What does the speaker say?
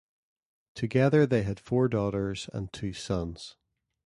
Together they had four daughters and two sons.